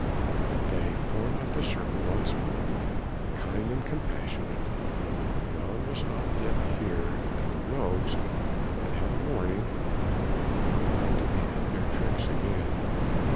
But they formed up the circle once more, kind and compassionate. Jan was not yet here, and the rogues had had a warning: they were not like to be at their tricks again.